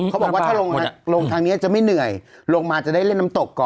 เขาบอกว่าถ้าลงทางนี้จะไม่เหนื่อยลงมาจะได้เล่นน้ำตกก่อน